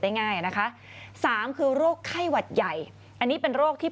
ง่ายนะคะสามคือโรคไข้หวัดใหญ่อันนี้เป็นโรคที่